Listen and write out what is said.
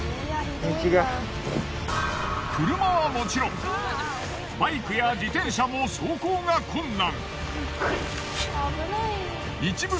車はもちろんバイクや自転車も走行が困難。